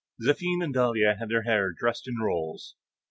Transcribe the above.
Zéphine and Dahlia had their hair dressed in rolls.